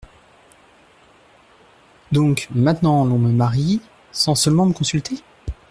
Donc, maintenant l’on me marie Sans seulement me consulter ?